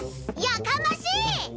やかましい！